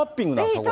これ。